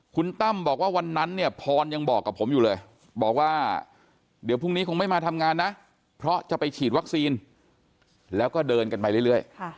คุณตั้มบอกว่าวันนั้นเนี่ยพรยังบอกกับผมอยู่เลยบอกว่าเดี๋ยวพรุ่งนี้คงไม่มาทำงานนะเพราะจะไปฉีดวัคซีนแล้วก็เดินกันไปเรื่อย